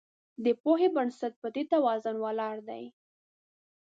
د پوهې بنسټ په دې توازن ولاړ دی.